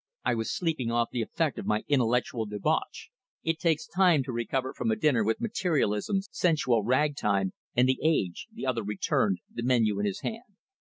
"I was sleeping off the effect of my intellectual debauch it takes time to recover from a dinner with 'Materialism,' 'Sensual,' 'Ragtime' and 'The Age'," the other returned, the menu in his hand.